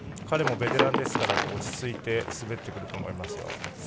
彼もベテランですから落ち着いて滑ってくると思います。